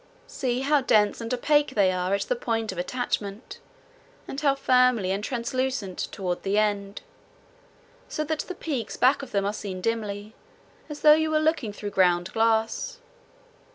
See how dense and opaque they are at the point of attachment, and how filmy and translucent toward the end, so that the peaks back of them are seen dimly, as though you were looking through ground glass.